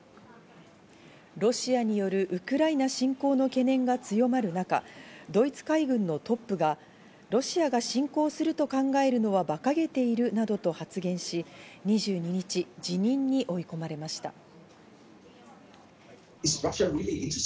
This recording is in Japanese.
ロシアによるウクライナ侵攻の懸念が強まる中、ドイツ海軍のトップがロシアが侵攻すると考えるのはバカげているなどと発言し、２２日、辞任に追い込まれました。